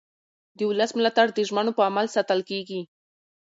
د ولس ملاتړ د ژمنو په عمل ساتل کېږي